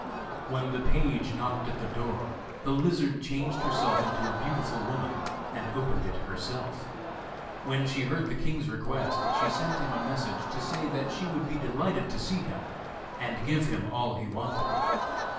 When the page knocked at the door the lizard changed herself into a beautiful woman, and opened it herself. When she heard the king's request she sent him a message to say that she would be delighted to see him, and give him all he wanted.